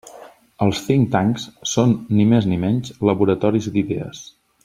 Els think tanks són, ni més ni menys, laboratoris d'idees.